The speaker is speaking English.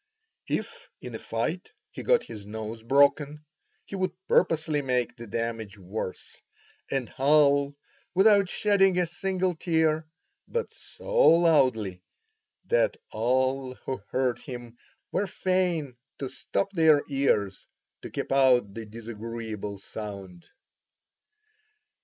If in a fight he got his nose broken, he would purposely make the damage worse, and howl, without shedding a single tear, but so loudly that all who heard him were fain to stop their ears to keep out the disagreeable sound.